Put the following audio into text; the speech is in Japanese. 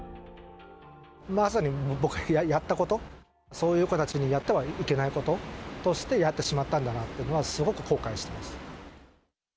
まさに僕がやったこと、そういう子たちにやってはいけないことをやってしまったんだなというのは、すごく後悔しています。